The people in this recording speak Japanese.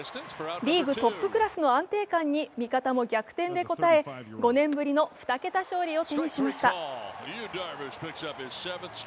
リーグトップクラスの安定感に味方も逆転で応え５年ぶりの２桁勝利を手にしました。